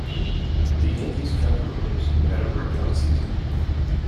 The Yankees kept Williams, who had a breakout season.